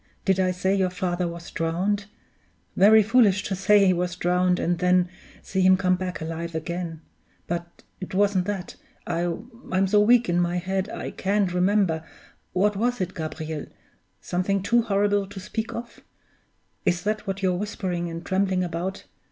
Did I say your father was drowned? Very foolish to say he was drowned, and then see him come back alive again! But it wasn't that I'm so weak in my head, I can't remember. What was it, Gabriel? Something too horrible to speak of? Is that what you're whispering and trembling about?